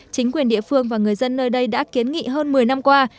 chính quyền địa phương và người dân nơi đây đã kiến nghị hơn một mươi năm qua